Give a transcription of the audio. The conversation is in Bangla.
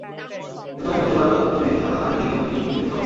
প্রতিবারের মতো এবারও প্রতিদিন সকাল নয়টা থেকে অগ্রিম টিকিট বিক্রি শুরু হবে।